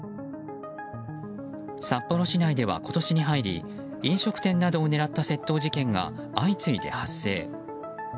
札幌市内では今年に入り飲食店などを狙った窃盗事件が相次いで発生。